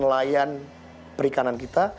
nelayan perikanan kita